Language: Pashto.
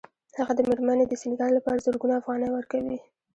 هغه د مېرمنې د سینګار لپاره زرګونه افغانۍ ورکوي